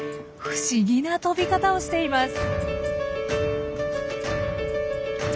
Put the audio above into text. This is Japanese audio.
不思議な飛び方をしています。